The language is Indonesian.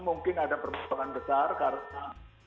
mungkin ada permasalahan besar karena